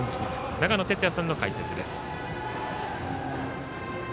長野哲也さんの解説です。